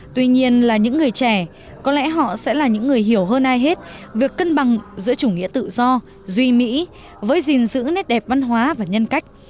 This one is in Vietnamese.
tuy nhiên là những người trẻ có lẽ họ sẽ là những người hiểu hơn ai hết việc cân bằng giữa chủ nghĩa tự do duy mỹ với gìn giữ nét đẹp văn hóa và nhân cách